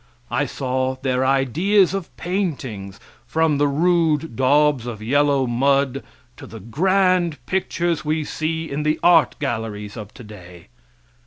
I saw their ideas of paintings, from the rude daubs of yellow mud, to the grand pictures we see in the art galleries of today.